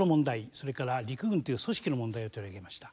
それから陸軍という組織の問題を取り上げました。